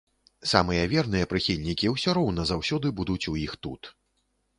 Самыя верныя прыхільнікі ўсё роўна заўсёды будуць у іх тут.